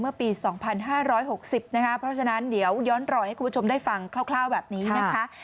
เพราะฉะนั้นเดี๋ยวย้อนรอให้คุณผู้ชมได้ฟังคร่าวแบบนี้นะคะ